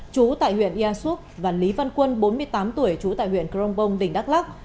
chú tại huyện iasup và lý văn quân bốn mươi tám tuổi chú tại huyện cronbong tỉnh đắk lắc